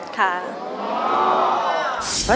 ขอบคุณครับ